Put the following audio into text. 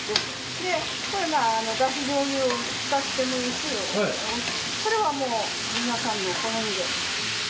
でこれまあだし醤油を使ってもいいしそれは皆さんの好みで。